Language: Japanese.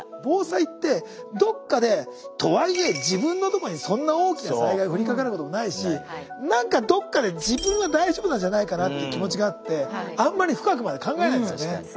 防災ってどっかでとはいえ自分のとこにそんな大きな災害降りかかることもないし何かどっかで自分は大丈夫なんじゃないかなって気持ちがあってあんまり深くまで考えないですよね。